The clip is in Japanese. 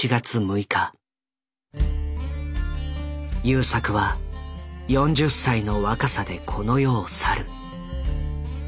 優作は４０歳の若さでこの世を去る。